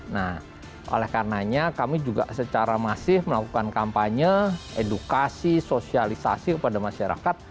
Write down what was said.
nah oleh karenanya kami juga secara masif melakukan kampanye edukasi sosialisasi kepada masyarakat